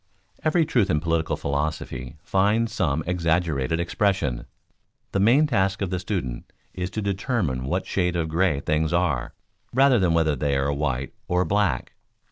_ Every truth in political philosophy finds some exaggerated expression. The main task of the student is to determine what shade of gray things are, rather than whether they are white or black.